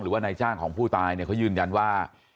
หรือว่านายจ้างของผู้ตายเนี่ยเขายืนยันว่า